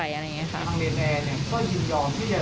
ทางแนนแอร์ก็ยืนยอมที่จะไกลเกลียร์กับเรา